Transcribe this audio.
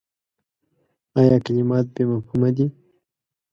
ایا کلمات بې مفهومه دي ؟